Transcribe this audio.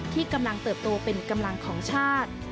ที่กำลังเติบโตเป็นกำลังของชาติ